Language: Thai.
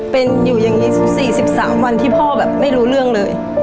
เป็นอยู่อย่างนี้๔๓วันที่พ่อแบบไม่รู้เรื่องเลย